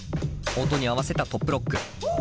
音に合わせたトップロック。